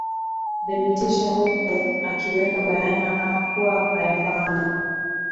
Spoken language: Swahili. thibitisha huku akiweka bayana kuwa hawafahamu